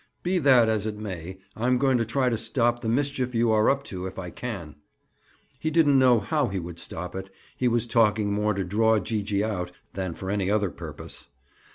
"Be that as it may, I'm going to try to stop the mischief you are up to, if I can." He didn't know how he would stop it; he was talking more to draw Gee gee out than for any other purpose.